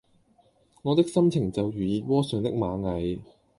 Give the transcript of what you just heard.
我的心情就如熱窩上的螞蟻